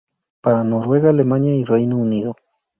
Para Noruega, Alemania y Reino Unido.